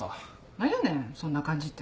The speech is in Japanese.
何やねんそんな感じって。